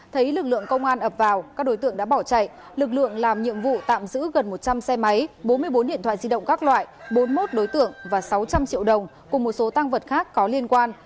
thấy lực lượng công an ập vào các đối tượng đã bỏ chạy lực lượng làm nhiệm vụ tạm giữ gần một trăm linh xe máy bốn mươi bốn điện thoại di động các loại bốn mươi một đối tượng và sáu trăm linh triệu đồng cùng một số tăng vật khác có liên quan